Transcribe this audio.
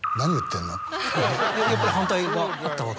やっぱり反対があったわけですか？